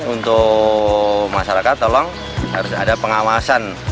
untuk masyarakat tolong harus ada pengawasan